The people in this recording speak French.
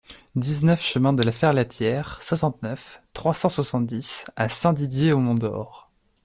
dix-neuf chemin de la Ferlatière, soixante-neuf, trois cent soixante-dix à Saint-Didier-au-Mont-d'Or